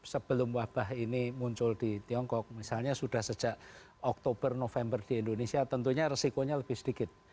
sebelum wabah ini muncul di tiongkok misalnya sudah sejak oktober november di indonesia tentunya resikonya lebih sedikit